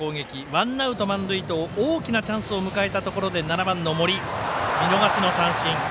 ワンアウト満塁と大きなチャンスを迎えたところで７番の森、見逃し三振。